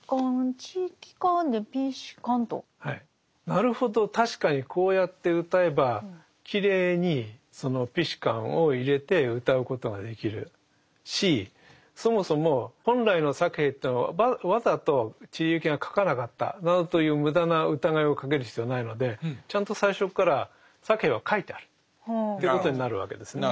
なるほど確かにこうやってうたえばきれいにその「ピシカン」を入れてうたうことができるしそもそも本来のサケヘというのをわざと知里幸恵が書かなかったなどという無駄な疑いをかける必要はないのでちゃんと最初からサケヘは書いてあるということになるわけですね。